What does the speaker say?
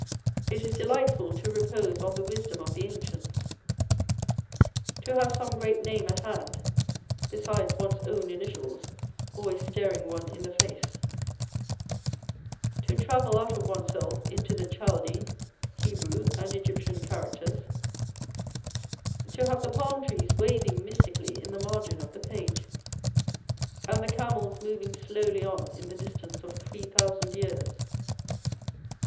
It is delightful to repose on the wisdom of the ancients ; to have some great name at hand, besides one's own initials always staring one in the face : to travel out of oneself into the Chaldee, Hebrew, and Egyptian characters ; to have the palm trees waving mystically in the margin of the page, and the camels moving slowly on in the distance of three thousand years.